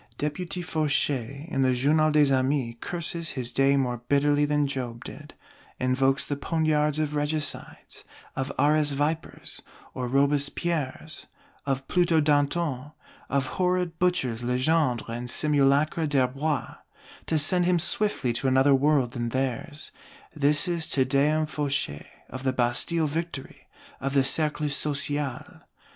Deputy Fauchet, in the Journal des Amis, curses his day more bitterly than Job did; invokes the poniards of Regicides, of "Arras Vipers" or Robespierres, of Pluto Dantons, of horrid Butchers Legendre and Simulacra d'Herbois, to send him swiftly to another world than theirs. This is Te Deum Fauchet, of the Bastille Victory, of the Cercle Social.